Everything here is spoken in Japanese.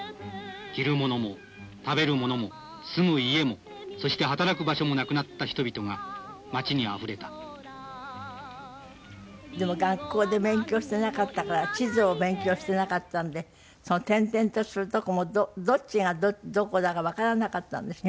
「着るものも食べるものも住む家もそして働く場所もなくなった人々が街にあふれた」でも学校で勉強してなかったから地図を勉強してなかったんで転々とするとこもどっちがどこだかわからなかったんですってね。